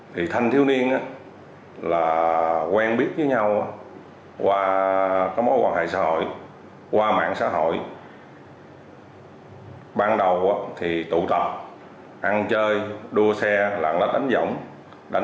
thì thanh thiếu niên là quen biết với nhau qua mối quan hệ xã hội qua mạng xã hội